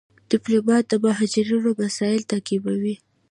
ډيپلومات د مهاجرو مسایل تعقیبوي.